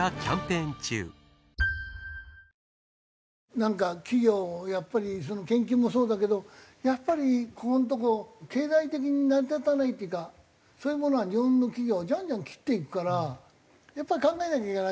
なんか企業やっぱり研究もそうだけどやっぱりここんとこ経済的に成り立たないっていうかそういうものは日本の企業ジャンジャン切っていくからやっぱり考えなきゃいけない。